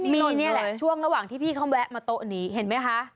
มีนี่แหละช่วงระหว่างที่พี่เขาแวะมาโต๊ะนี้เห็นไหมคะ